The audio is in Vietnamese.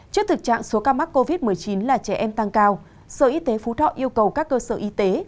trước thực trạng số ca mắc covid một mươi chín là trẻ em tăng cao sở y tế phú thọ yêu cầu các cơ sở y tế